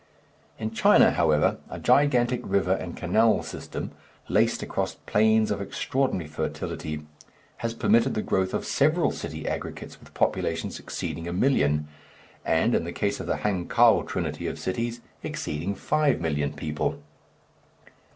In China, however, a gigantic river and canal system, laced across plains of extraordinary fertility, has permitted the growth of several city aggregates with populations exceeding a million, and in the case of the Hankow trinity of cities exceeding five million people.